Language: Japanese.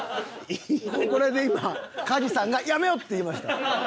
これで今加地さんが「やめよう！」って言いました。